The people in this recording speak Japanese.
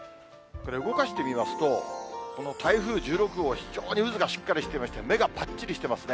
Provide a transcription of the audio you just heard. これ、動かしてみますと、この台風１６号、非常に渦がしっかりしていまして、目がぱっちりしてますね。